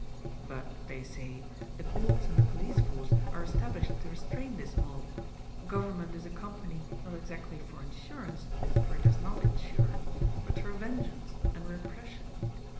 But, they say, the courts and the police force are established to restrain this mob; government is a company, not exactly for insurance, for it does not insure, but for vengeance and repression.